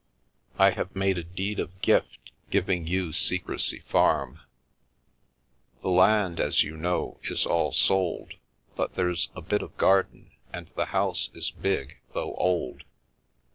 I have made a deed of gift, giving you Secrecy Farm. The land, as you know, is all sold, but there's a bit of garden, and the house is big, though old.